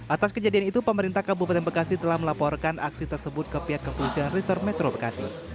atas kejadian itu pemerintah kabupaten bekasi telah melaporkan aksi tersebut ke pihak kepolisian resor metro bekasi